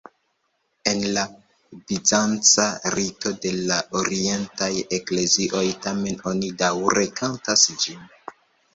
En la bizanca rito de la orientaj eklezioj tamen oni daŭre kantas ĝin.